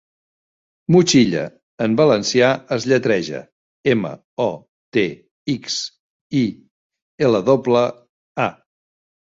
'Motxilla' en valencià es lletreja: eme, o, te, ics, i, ele doble, a.